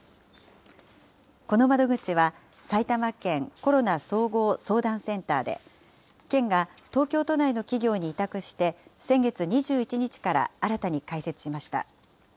この窓口は、埼玉県コロナ総合相談センターで、県が東京都内の企業に委託して、先月２１日から新たに開設しました。